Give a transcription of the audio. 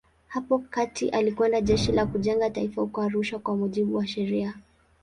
Hapo kati alikwenda Jeshi la Kujenga Taifa huko Arusha kwa mujibu wa sheria.